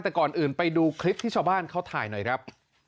แต่ก่อนอื่นไปดูคลิปที่ชาวบ้านเขาถ่ายหน่อยครับ